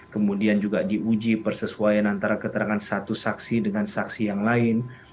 kemudian juga diuji persesuaian antara keterangan satu saksi dengan saksi yang lain